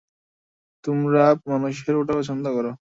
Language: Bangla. তোমরা মানুষেরা ওটা পছন্দ করো।